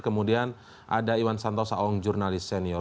kemudian ada iwan santosa om jurnalis senior